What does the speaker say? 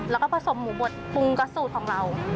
แล้วก็ผสมหมูบดปรุงกับสูตรของเรา